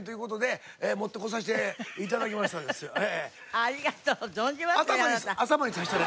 ありがとう存じますね